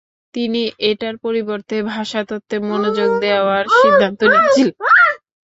তিনি এটার পরিবর্তে ভাষাতত্ত্বে মনোযোগ দেওয়ার সিদ্ধান্ত নিয়েছিলেন।